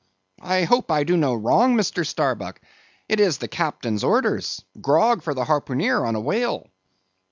I hope I do no wrong, Mr. Starbuck. It is the captain's orders—grog for the harpooneer on a whale."